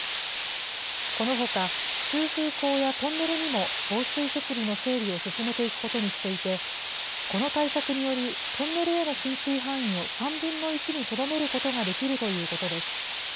このほか、通風口やトンネルにも防水設備の整備を進めていくことにしていて、この対策により、トンネルへの浸水範囲を３分の１にとどめることができるということです。